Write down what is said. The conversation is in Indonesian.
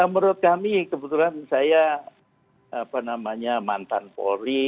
menurut kami kebetulan saya mantan polri